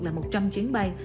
là một trăm linh chuyến bay